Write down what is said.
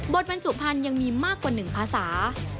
บรรจุพันธุ์ยังมีมากกว่า๑ภาษา